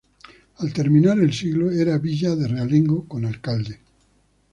Al terminar el siglo era villa de realengo con alcalde.